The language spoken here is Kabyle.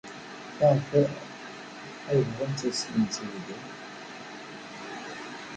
Maɣef ay bɣant ad ssiwlent ed Yidir?